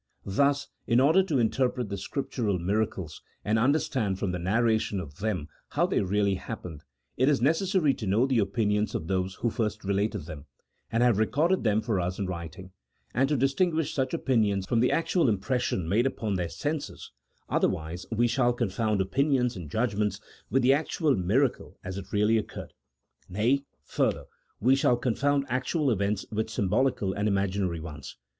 Thus in order to interpret the Scriptural miracles and understand from the narration of them how they really happened, it is necessary to know the opinions of those who first related them, and have recorded them for us in writing, and to distinguish such opinions from the actual impres sion made upon their senses, otherwise we shall confound opinions and judgments with the actual miracle as it really occurred: nay, further, we shall confound actual events with symbolical and imaginary ones.